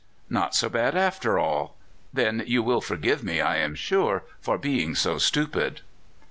not so bad after all? Then you will forgive me, I am sure, for being so stupid."